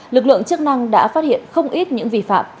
lực lượng chức năng đã phát hiện không ít những vi phạm